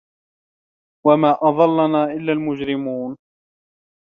وَما أَضَلَّنا إِلَّا المُجرِمونَ